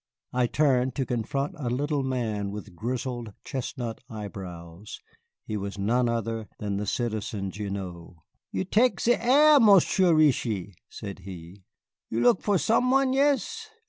I turned to confront a little man with grizzled, chestnut eyebrows. He was none other than the Citizen Gignoux. "You tek ze air, Monsieur Reetchie?" said he. "You look for some one, yes?